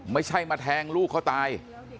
ไม่ใช่มาแทงลูกเขาตาย